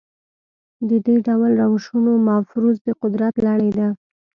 د دې ډول روشونو مفروض د قدرت لړۍ ده.